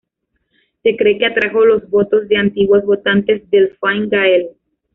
Se cree que atrajo los votos de antiguos votantes del Fine Gael.